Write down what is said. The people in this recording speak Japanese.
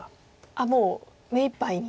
もう目いっぱいに。